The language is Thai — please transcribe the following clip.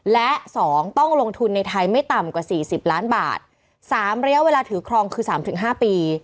และสองต้องลงทุนในไทยไม่ต่ำกว่าสี่สิบล้านบาทสามระยะเวลาถือครองคือสามถึงห้าปี